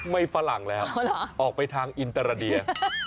ฝรั่งแล้วออกไปทางอินตราเดีย